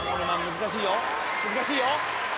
難しいよ！」